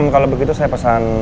kalau begitu saya pesan